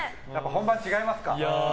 本番は違いますか？